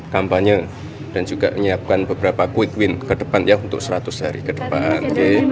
kampanye dan juga menyiapkan beberapa quick win ke depan ya untuk seratus hari ke depan